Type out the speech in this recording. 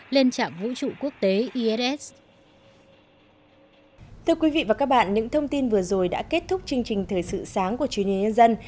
lên trạm vũ trụ quốc gia